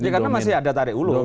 karena masih ada tarik ulu